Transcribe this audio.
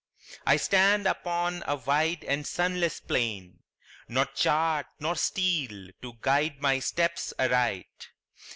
I stand upon a wide and sunless plain, Nor chart nor steel to guide my steps aright.